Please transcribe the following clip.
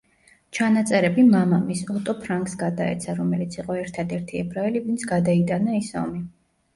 ჩანაწერები მამამისს, ოტო ფრანკს გადაეცა, რომელიც იყო ერთადერთი ებრაელი ვინც გადაიტანა ის ომი.